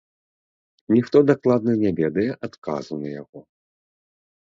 Ніхто дакладна не ведае адказу на яго.